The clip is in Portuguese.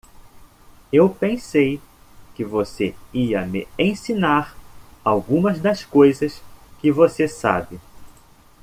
Eu pensei que você ia me ensinar algumas das coisas que você sabe.